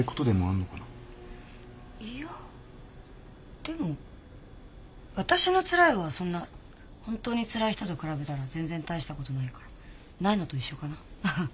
いやでも私のつらいはそんな本当につらい人と比べたら全然大したことないからないのと一緒かなハハ。